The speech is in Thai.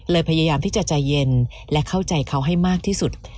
พยายามที่จะใจเย็นและเข้าใจเขาให้มากที่สุด